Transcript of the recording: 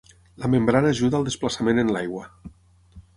La membrana ajuda al desplaçament en l'aigua.